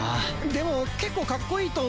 でも結構かっこいいと。